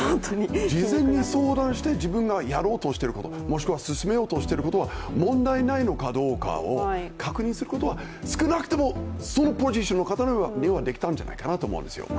事前に相談して自分がやろうとしていること、もしくは進めようとしていることが問題ないのかどうかを確認することは少なくともそのポジションの方にはできたんじゃないかなと思うんですよ。